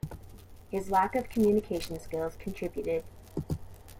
His lack of communication skills contributed.